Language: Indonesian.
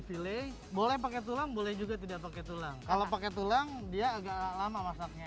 file boleh pakai tulang boleh juga tidak pakai tulang kalau pakai tulang dia agak lama masaknya